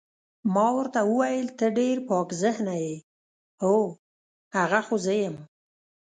ما ورته وویل ته ډېر پاک ذهنه یې، هو، هغه خو زه یم.